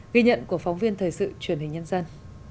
ghi nhận của phóng viên thời sự truyền hình nhân dân